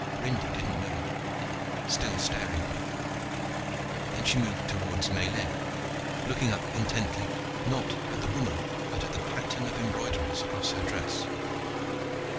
Rindy didn't move, still staring at me. Then she moved toward Miellyn, looking up intently not at the woman, but at the pattern of embroideries across her dress.